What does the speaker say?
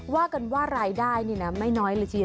ว่ากันว่ารายได้เนี่ยนะไม่น้อยหรือเฉย